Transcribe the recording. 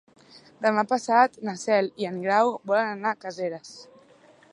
Demà passat na Cel i en Grau volen anar a Caseres.